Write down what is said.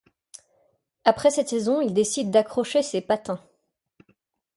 Après cette saison, il décide d’accrocher ses patins.